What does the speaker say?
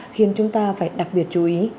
khiến chúng ta phải đặc biệt chú ý